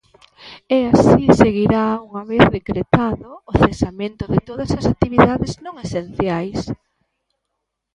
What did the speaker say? E así seguirá unha vez decretado o cesamento de todas as actividades non esenciais.